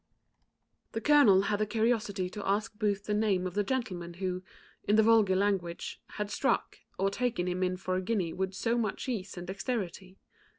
_ The colonel had the curiosity to ask Booth the name of the gentleman who, in the vulgar language, had struck, or taken him in for a guinea with so much ease and dexterity.